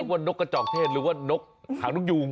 ว่านกกระจอกเทศหรือว่านกหางนกยูง